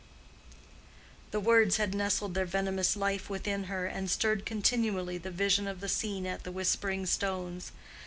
The words had nestled their venomous life within her, and stirred continually the vision of the scene at the Whispering Stones.